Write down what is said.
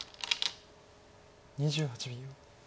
２８秒。